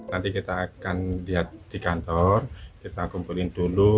nanti kita akan lihat di kantor kita kumpulin dulu